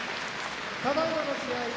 ただいまの試合